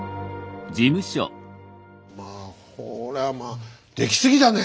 まあこれはまあできすぎだね！